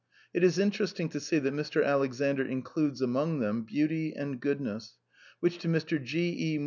It is interesting to see that Mr. Alexander in cludes among them beauty and goodness, which to Mr. G. E.